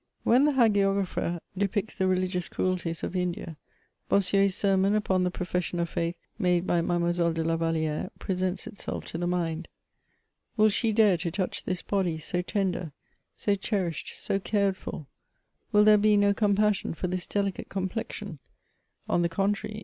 When the hagiographer depicts the religious cruelties of India, Bossuet's sermon upon the profession of faith made by Mademoiselle de Lavalliere presents itself to the mind: Will she dare to touch this body so tender — so cherished^ so cared for I Will there be no compassion for this delicate complexion 1 On the contrary